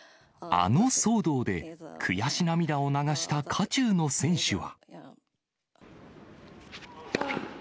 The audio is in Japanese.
あの騒動で、悔し涙を流した渦中の選手は。